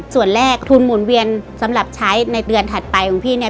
ส่วนแรกทุนหมุนเวียนสำหรับใช้ในเดือนถัดไปของพี่เนี่ย